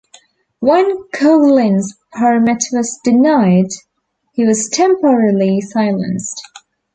When Coughlin's permit was denied, he was temporarily silenced.